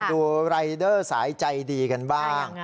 ดูรายเดอร์สายใจดีกันบ้าง